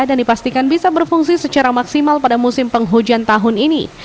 dan dipastikan bisa berfungsi secara maksimal pada musim penghujan tahun ini